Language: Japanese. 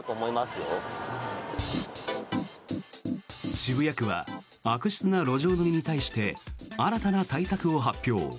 渋谷区は悪質な路上飲みに対して新たな対策を発表。